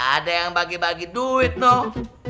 ada yang bagi bagi duit tuh